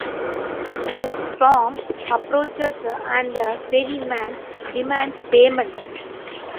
A storm approaches and the ferryman demands payment.